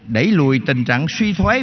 đẩy lùi tình trạng suy thoái